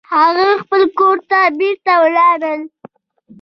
هغوی خپل کور ته بیرته ولاړل